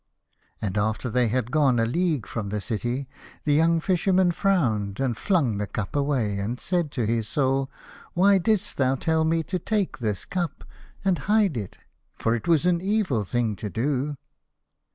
i io The Fisherman and his Soul. And after that they had gone a league from the city, the young Fisherman frowned, and tfung the cup away, and said to his Soul, " Why did'st thou tell me to take this cup and hide it, for it was an evil thing to do